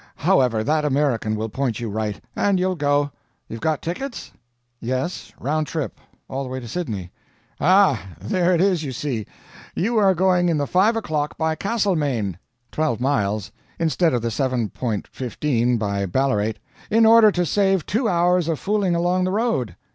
However, that American will point you right, and you'll go. You've got tickets?" "Yes round trip; all the way to Sydney." "Ah, there it is, you see! You are going in the 5 o'clock by Castlemaine twelve miles instead of the 7.15 by Ballarat in order to save two hours of fooling along the road.